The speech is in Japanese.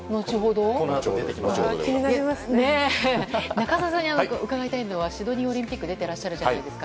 中澤さんに伺いたいのはシドニーオリンピックに出ているじゃないですか。